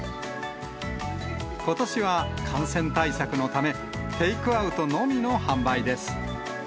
ことしは感染対策のため、テイクアウトのみの販売です。